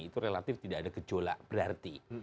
itu relatif tidak ada gejolak berarti